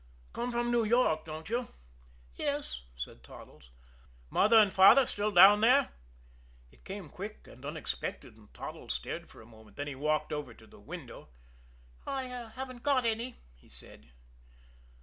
"Come from New York, don't you?" "Yes," said Toddles. "Mother and father down there still?" It came quick and unexpected, and Toddles stared for a moment. Then he walked over to the window. "I haven't got any," he said.